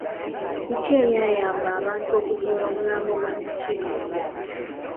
Biki ebyayamba abantu okuzuula omulambo gwa Nnakibinge?